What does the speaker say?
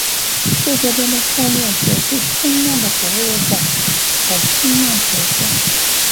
这家店的后面则是冲浪的博物馆和冲浪学校。